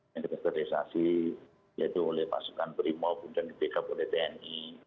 yang kita sterilisasi yaitu oleh pasukan primo dan bkp oleh tni